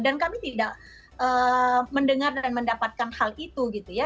dan kami tidak mendengar dan mendapatkan hal itu gitu ya